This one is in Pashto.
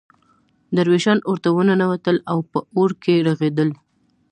درویشان اورته ننوتل او په اور کې رغړېدل.